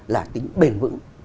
là tính bền vững